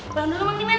tahan dulu emang nih men